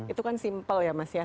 itu kan simpel ya mas ya